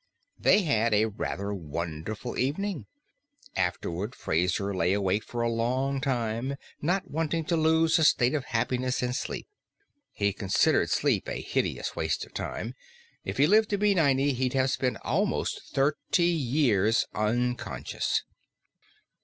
They had a rather wonderful evening. Afterward Fraser lay awake for a long time, not wanting to lose a state of happiness in sleep. He considered sleep a hideous waste of time: if he lived to be ninety, he'd have spent almost thirty years unconscious.